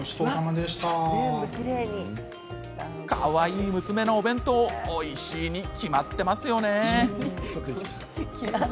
かわいい娘のお弁当おいしいに決まってますよね。